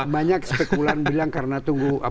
banyak spekulan bilang karena tunggu